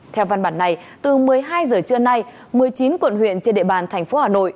theo văn bản này từ một mươi hai giờ trưa nay một mươi chín quận huyện trên địa bàn thành phố hà nội